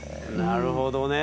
なるほどね。